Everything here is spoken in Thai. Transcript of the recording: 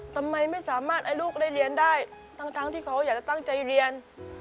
ทำไมไม่สามารถให้ลูกได้เรียนได้ทั้งที่เขาอยากจะตั้งใจเรียน